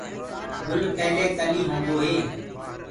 گُل پيلي ڪلي هوندو هي۔